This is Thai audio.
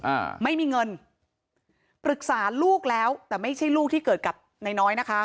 อ่าไม่มีเงินปรึกษาลูกแล้วแต่ไม่ใช่ลูกที่เกิดกับนายน้อยนะคะ